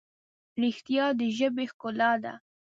رښتیا د ژبې ښکلا ده.